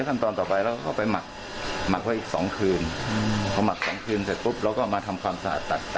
ลากไปหมักในถังกับฮติครับ